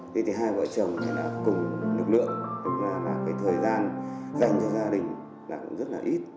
thế thì hai vợ chồng nên là cùng lực lượng cũng ra là cái thời gian dành cho gia đình là cũng rất là ít